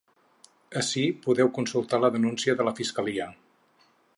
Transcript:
Ací podeu consultar la denúncia de la fiscalia.